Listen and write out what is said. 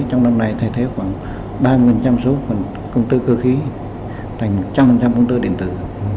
trong năm nay thay thế khoảng ba mươi trăm số công tư cơ khí thành một trăm linh trăm công tư điện tử